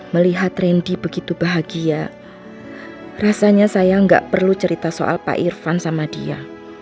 melihat randy begitu bahagia rasanya saya nggak perlu cerita soal pak irfan sama dia